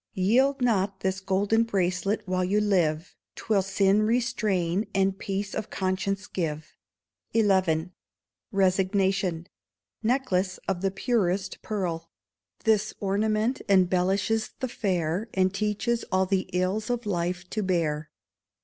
_ Yield not this golden bracelet while you live, 'Twill sin restrain, and peace of conscience give. xi. Resignation Necklace of Purest Pearl. This ornament embellishes the fair, And teaches all the ills of life to bear.